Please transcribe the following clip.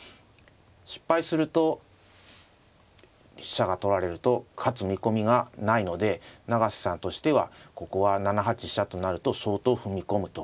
失敗すると飛車が取られると勝つ見込みがないので永瀬さんとしてはここは７八飛車となると相当踏み込むと。